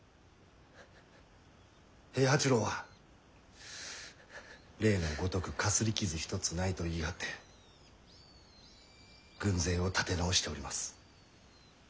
平八郎は例のごとくかすり傷一つないと言い張って軍勢を立て直しております。